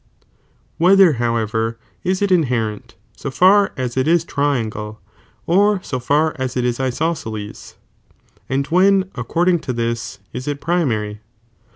^ Whether however is it inherent, so far as it is triangle, or so far as it ia isosceles? And when, accoi'ding to this, is it primary?